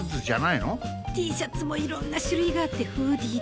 Ｔシャツもいろんな種類があってフーディーとかね